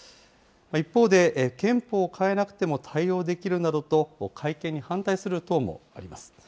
一方で、憲法を変えなくても対応できるなどと、改憲に反対する党もあります。